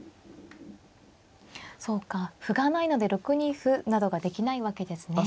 そうか歩がないので６二歩などができないわけですね。